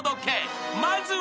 ［まずは］